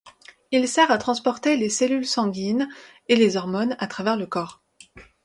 Il sert à transporter les cellules sanguines et les hormones à travers le corps.